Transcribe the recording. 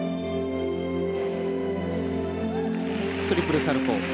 トリプルサルコウ。